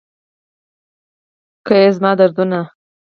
که یې زما دردونه